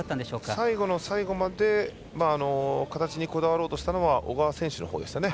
最後の最後まで形にこだわろうとしたのは小川選手のほうでしたね。